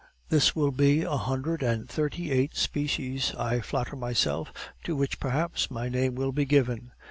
This will be a hundred and thirty eighth species, I flatter myself, to which, perhaps, my name will be given.